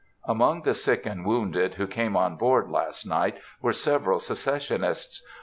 Among the sick and wounded who came on board last night were several Secessionists.